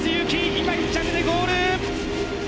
今、１着でゴール。